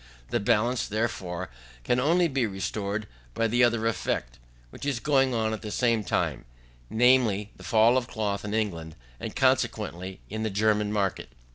The balance, therefore, can only be restored by the other effect, which is going on at the same time, namely, the fall of cloth in the English, and, consequently, in the German market.